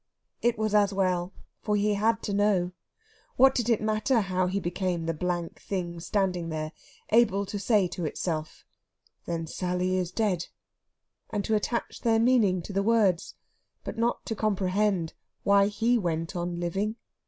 It was as well, for he had to know. What did it matter how he became the blank thing standing there, able to say to itself, "Then Sally is dead," and to attach their meaning to the words, but not to comprehend why he went on living?